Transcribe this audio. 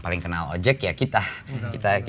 paling kenal ojek ya kita